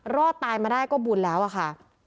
รอดตายมาได้ก็บุญแล้วอะค่ะ